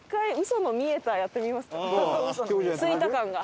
着いた感が。